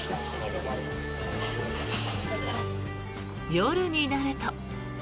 夜になると。